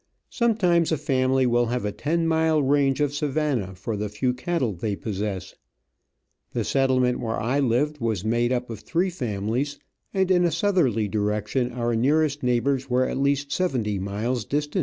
Sometimes a family will have a ten mile range of savanna for the few cattle they possess. The settlement where I lived w^as made up of three families, and in a southerly direction our nearest neighbours were at least seventy miles distant.